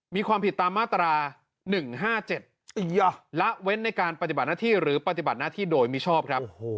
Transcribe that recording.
มีความผิดตามมาตรา๑๕๗ละเว้นในการปฏิบัติหน้าที่หรือปฏิบัติหน้าที่โดยมิชอบครับ